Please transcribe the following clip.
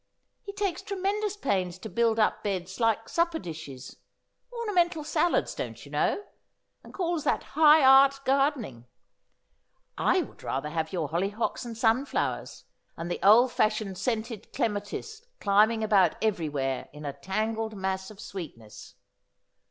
He takes tremendous pains to build up beds like supper dishes — ornamental salads, don't you know — and calls that hi"h art gardening. I would rather haveyoiu hollyhocks and sunflowers and the old fashioned scented clematis climbing about every where in a tangled mass of sweetness.'